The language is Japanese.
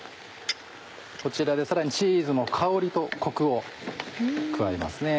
こちらでさらにチーズの香りとコクを加えますね。